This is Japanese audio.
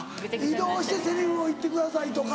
「移動してセリフを言ってください」。